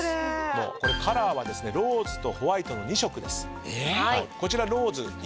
カラーはローズとホワイトの２色です。